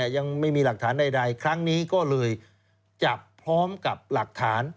ยังไม่มีหลักฐานใดครั้งนี้ก็เลยจับพร้อมกับหลักฐาน